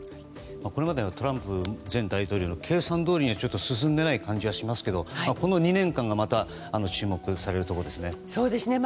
これまでのトランプ前大統領の計算どおりにはちょっと進んでいない感じがしますけれどこの２年間がまた注目されるところですね。